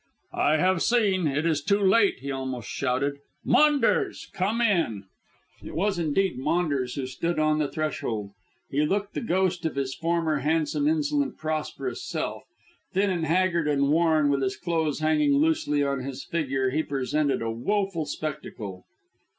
"I have seen; it is too late," he almost shouted. "Maunders. Come in!" It was indeed Maunders who stood on the threshold. He looked the ghost of his former handsome, insolent, prosperous self. Thin and haggard and worn, with his clothes hanging loosely on his figure, he presented a woeful spectacle.